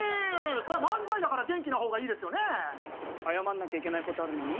そりゃ漫才だから元気な方がいいですよね謝んなきゃいけないことあるのに？